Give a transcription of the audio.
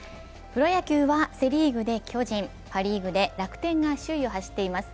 プロ野球はセ・リーグで巨人パ・リーグで楽天が首位を走っています。